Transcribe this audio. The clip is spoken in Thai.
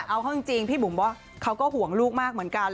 เอาเข้าจริงพี่บุ๋มบอกเขาก็ห่วงลูกมากเหมือนกัน